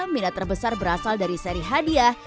minat terbesar berasal dari seri hadiah